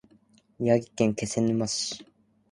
宮城県気仙沼市